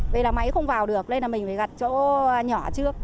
vậy là máy không vào được nên mình phải gặp chỗ nhỏ trước